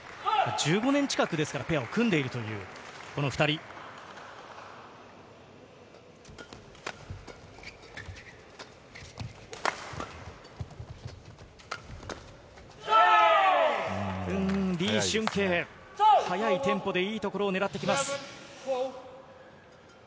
１５年近く前から、ペアを組んでいるこの２人。リ・シュンケイ、速いテンポでいいところを狙ってきます。